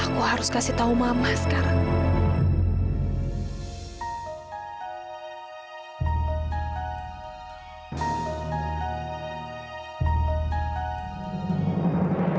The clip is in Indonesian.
aku harus kasih tahu mama sekarang